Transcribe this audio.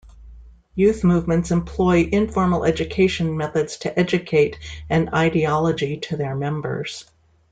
Youth movements employ informal education methods to educate an ideology to their members.